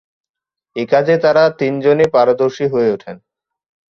এ কাজে তারা তিনজনই পারদর্শী হয়ে ওঠেন।